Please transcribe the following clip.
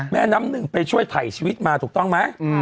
แม่น้ำหนึ่งไปช่วยถ่ายชีวิตมาถูกต้องไหม